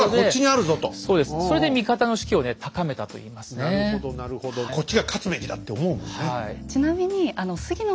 それでなるほどなるほどこっちが勝つべきだって思うもんね。